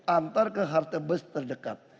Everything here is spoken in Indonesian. antar ke halte bus terdekat